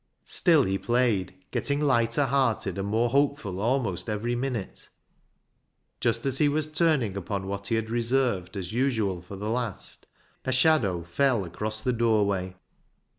Still he played, getting lighter hearted and more hope ful almost every moment. Just as he was turning upon what he had reserved as usual for the last, a shadow fell across the door way.